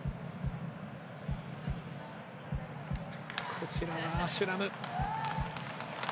こちらはアシュラム。